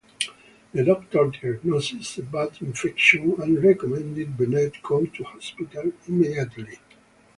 The doctor diagnosed a bad infection and recommended Bennett go to hospital immediately.